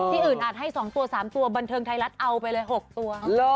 อื่นอาจให้๒ตัว๓ตัวบันเทิงไทยรัฐเอาไปเลย๖ตัว